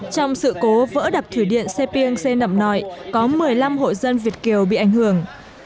trong sự cố vỡ đập thủy điện xe biên xe nạm nọi có một mươi năm hội dân việt kiều bị ảnh hưởng